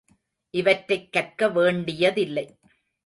இவற்றைக் கற்க வேண்டியதில்லை.